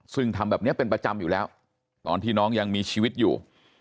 ซึ่งทำแบบนี้เป็นประจำอยู่แล้วตอนที่น้องยังมีชีวิตอยู่